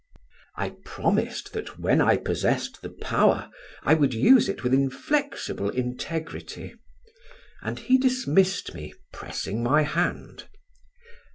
"I promised that when I possessed the power I would use it with inflexible integrity; and he dismissed me, pressing my hand.